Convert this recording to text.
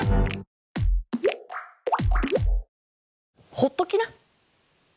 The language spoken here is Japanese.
ほっときな。